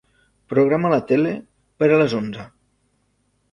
Programa la tele per a les onze.